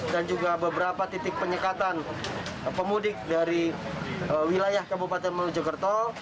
dan juga beberapa titik penyekatan pemudik dari wilayah kabupaten mojokerto